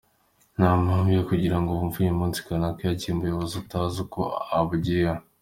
Nta mpamvu yo kugirango wumve uyu munsi kanaka yagiye mu buyobozi utazi uko abugiyeho”.